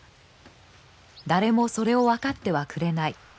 誰もそれを分かってはくれない。